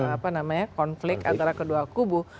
apa namanya konflik antara kedua kubu